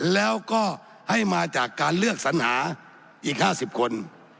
แล้วก็ให้มาจากการเลือกสัญหาอีก๕๐คน